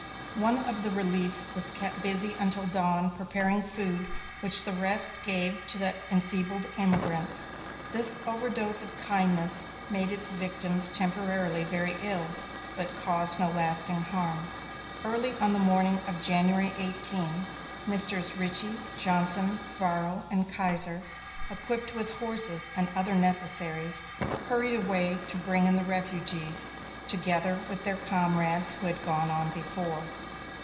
One of the relief was kept busy until dawn preparing food which the rest gave to the enfeebled emigrants. This overdose of kindness made its victims temporarily very ill, but caused no lasting harm. Early on the morning of January 18, Messrs. Richey, Johnson, Varro, and Keiser, equipped with horses and other necessaries, hurried away to bring in the refugees, together with their comrades who had gone on before.